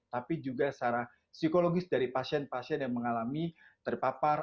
tapi juga secara psikologis dari pasien pasien yang mengalami terpapar